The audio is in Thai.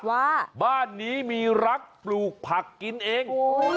ว่าบ้านนี้มีรักปลูกผักกินเอง